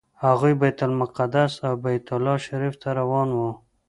هغوی بیت المقدس او بیت الله شریف ته روان وو.